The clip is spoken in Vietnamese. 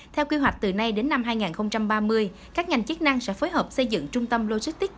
theo quy hoạch từ nay đến năm hai nghìn ba mươi các ngành chức năng sẽ phối hợp xây dựng trung tâm logistics